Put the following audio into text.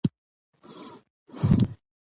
او په ذهن مو د خفګان ګرد مه پرېږدئ،